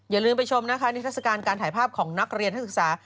อย่าลืมไปชมนะคะนิทัศกาลการถ่ายภาพของนักเรียนนักศึกษา